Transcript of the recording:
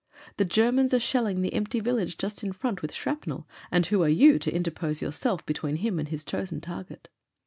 The Germans are shelling the empty village just in front with shrapnel, and who are you to interpose yourself between him and his chosen target?